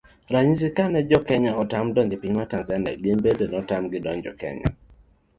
Ranyisi, kane jokenya otam donjo e piny Tazania gin bende notam gi donjo Kenya